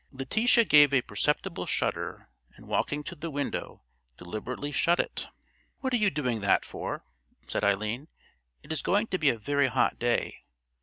Letitia gave a perceptible shudder, and walking to the window deliberately shut it. "What are you doing that for?" said Eileen. "It is going to be a very hot day."